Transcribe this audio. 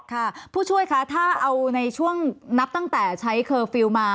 ค่ะผู้ช่วยคะถ้าเอาในช่วงนับตั้งแต่ใช้เคอร์ฟิลล์มา